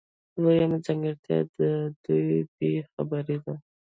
دویمه ځانګړتیا د دوی بې خبري ده.